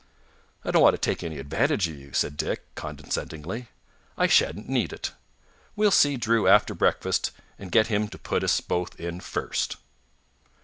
"I don't want to take any advantage of you," said Dick condescendingly. "I shan't need it. We'll see Drew after breakfast and get him to put us both in first."